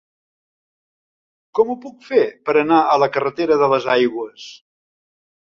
Com ho puc fer per anar a la carretera de les Aigües?